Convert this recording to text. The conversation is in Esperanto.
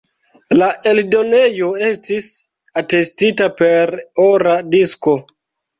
La eldonejo estis atestita per ora disko.